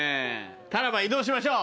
タラバ移動しましょう。